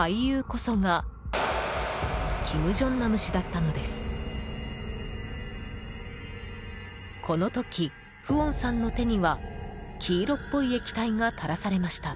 この時、フオンさんの手には黄色っぽい液体が垂らされました。